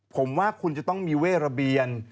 ผมว่าคุณจะต้องมีเว่ระเบียน